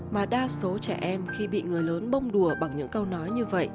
mà đa số trẻ em khi bị người lớn bông đùa bằng những câu nói như vậy